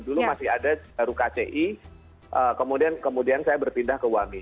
dulu masih ada baru kci kemudian saya berpindah ke wangi